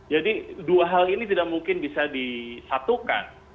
jadi dua hal ini tidak mungkin bisa disatukan